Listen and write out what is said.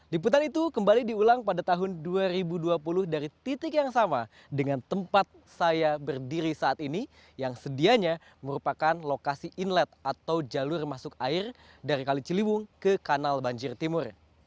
liputan itu kembali diulang pada tahun dua ribu dua puluh dari titik yang sama dengan tempat saya berdiri saat ini yang sedianya merupakan lokasi inlet atau jalur masuk air dari kali ciliwung ke kanal banjir timur